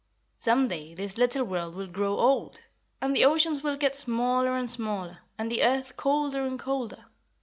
"Some day this little world will grow old, and the oceans will get smaller and smaller, and the earth colder and colder.